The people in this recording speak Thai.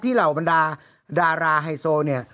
เหล่าบรรดาดาราไฮโซเนี่ย